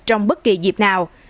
trong bất kỳ dịp nào